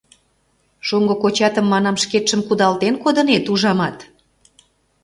Шоҥго кочатым, манам, шкетшым кудалтен кодынет, ужамат?